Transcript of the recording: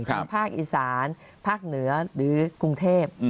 คือภาคอีสานภาคเหนือหรือกรุงเทพ